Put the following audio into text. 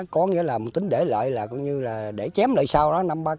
có nghĩa là tính để lợi là để chém lợi sau đó